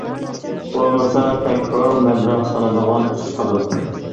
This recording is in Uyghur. بولمىسا، تەكرار مەبلەغ سالىدىغان ئىش چىقىدۇ.